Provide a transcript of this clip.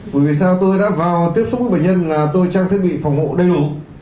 bởi vì sao tôi đã vào tiếp xúc với bệnh nhân là tôi trang thiết bị phòng hộ đầy đủ